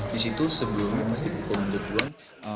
disitu sebelumnya pasti pukul mundur pukulan